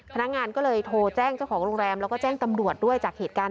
พนักงานก็เลยโทรแจ้งเจ้าของโรงแรมแล้วก็แจ้งตำรวจด้วยจากเหตุการณ์